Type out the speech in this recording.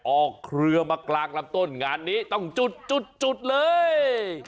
เครือมากลางลำต้นงานนี้ต้องจุดจุดเลย